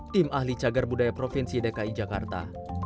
tim ahli cagar budaya provinsi dki jakarta